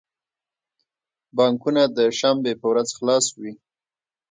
بانکونه د شنبی په ورځ خلاص وی